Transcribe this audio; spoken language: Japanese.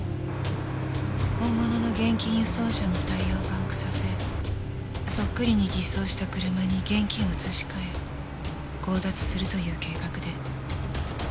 本物の現金輸送車のタイヤをパンクさせそっくりに偽装した車に現金を移し替え強奪するという計画で。